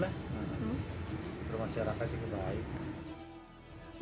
rumah syarikat juga baik